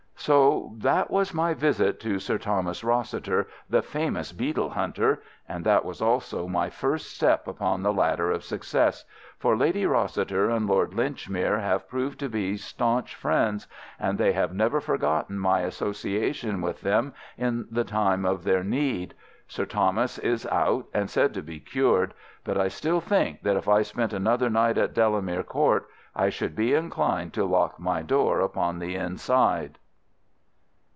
So that was my visit to Sir Thomas Rossiter, the famous beetle hunter, and that was also my first step upon the ladder of success, for Lady Rossiter and Lord Linchmere have proved to be staunch friends, and they have never forgotten my association with them in the time of their need. Sir Thomas is out and said to be cured, but I still think that if I spent another night at Delamere Court, I should be inclined to lock my door upon the inside.